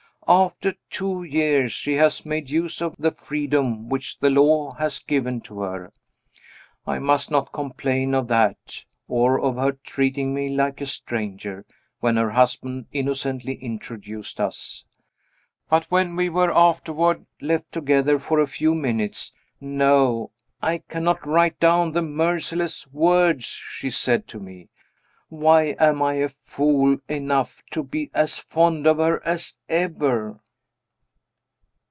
After two years, she has made use of the freedom which the law has given to her. I must not complain of that, or of her treating me like a stranger, when her husband innocently introduced us. But when are were afterward left together for a few minutes no! I cannot write down the merciless words she said to me. Why am I fool enough to be as fond of her as ever?